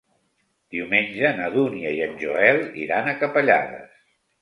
Diumenge na Dúnia i en Joel iran a Capellades.